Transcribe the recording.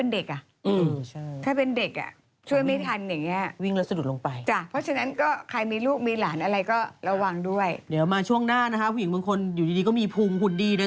เดี๋ยวมาช่วงหน้านะคะผู้หญิงบางคนอยู่ดีก็มีภูมิหุ่นดีด้วย